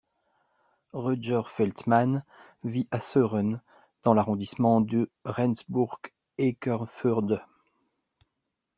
Rötger Feldmann vit à Sören, dans l'arrondissement de Rendsburg-Eckernförde.